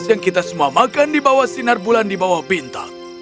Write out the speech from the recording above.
yang kita semua makan di bawah sinar bulan di bawah bintang